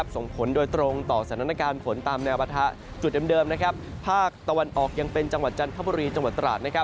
ส่งผลโดยตรงต่อสถานการณ์ฝนตามแนวปะทะจุดเดิมภาคตะวันออกยังเป็นจังหวัดจันทบุรีจังหวัดตราด